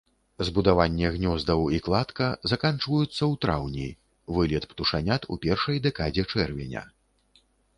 Збудаванне гнёздаў і кладка заканчваюцца ў траўні, вылет птушанят у першай дэкадзе чэрвеня.